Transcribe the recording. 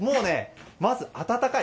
まず暖かい。